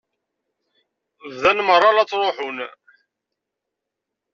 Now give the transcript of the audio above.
Bdan merra la ttruḥen.